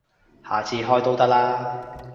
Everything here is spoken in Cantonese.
下次開都得啦